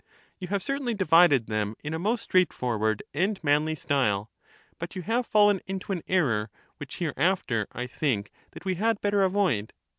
You have certainly divided them in a most straight ^^^^j^^ forward and manly style; but you have fallen into an error —of men/ which hereafter I think that we had better avoid.